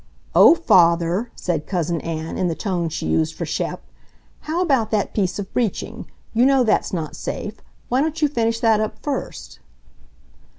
"Oh, Father!" said Cousin Ann, in the tone she used for Shep. "How about that piece of breeching! You know that's not safe. Why don't you finish that up first?"